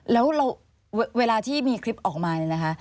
แล้วเวลาที่มีคลิปออกมาเนี่ยนะคะ